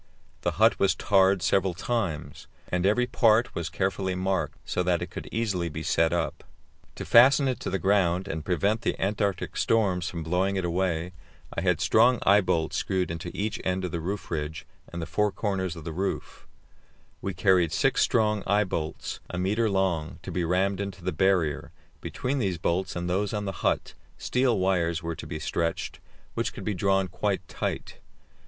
The hut was tarred several times, and every part was carefully marked, so that it could easily be set up. To fasten it to the ground and prevent the Antarctic storms from blowing it away I had strong eyebolts screwed into each end of the roof ridge and the four corners of the roof; we carried six strong eyebolts, a metre long, to be rammed into the barrier; between these bolts and those on the hut, steel wires were to be stretched, which could be drawn quite tight.